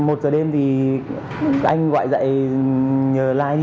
một giờ đêm thì anh gọi dạy nhờ like đi